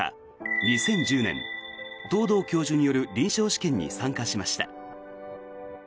２０１０年、藤堂教授による臨床試験に参加しました。